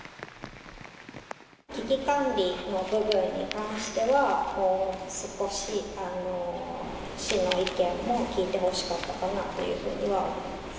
危機管理の部分に関しては、もう少し市の意見も聞いてほしかったかなというふうには思います。